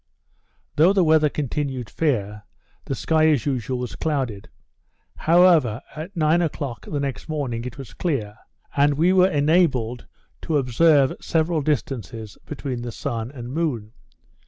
Though the weather continued fair, the sky, as usual, was clouded. However, at nine o'clock the next morning, it was clear; and we were enabled to observe several distances between the sun and moon.